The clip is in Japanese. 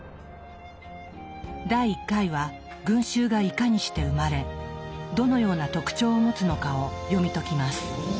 第１回は群衆がいかにして生まれどのような特徴を持つのかを読み解きます。